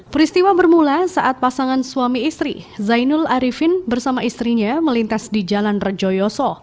peristiwa bermula saat pasangan suami istri zainul arifin bersama istrinya melintas di jalan rejoyoso